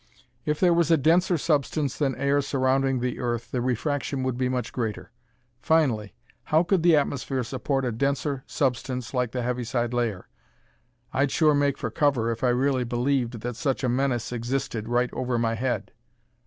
If there was a denser substance than air surrounding the earth the refraction would be much greater. Finally, how could the atmosphere support a denser substance like the Heaviside Layer? I'd sure make for cover if I really believed that such a menace existed right over my head.